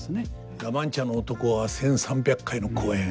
「ラ・マンチャの男」は１，３００回の公演。